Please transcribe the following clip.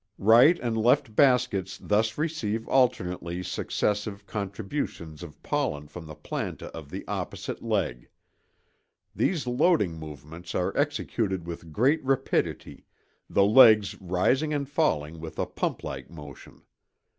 7.) Right and left baskets thus receive alternately successive contributions of pollen from the planta of the opposite leg. These loading movements are executed with great rapidity, the legs rising and falling with a pump like motion.